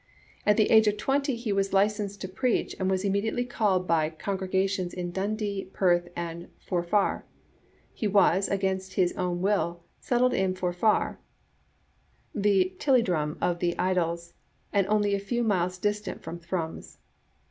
At the age of twenty he was licensed to preach, and was immediately called by congrega tions in Dundee, Perth, and Forfar, He was, against his own will, settled in Forfar (the Tilliedrum of the Idylls, and only a few miles distant from Thrums).